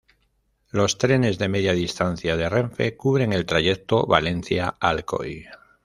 Los trenes de media distancia de Renfe cubren el trayecto Valencia-Alcoy.